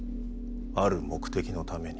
ある目的のために。